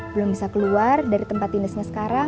belum bisa keluar dari tempat dinasnya sekarang